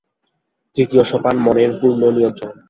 তৃতীয় সোপান মনের পূর্ণ নিয়ন্ত্রণ।